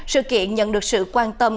sự kiện nhận được sự quan trọng